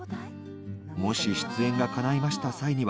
「もし出演が叶いました際には」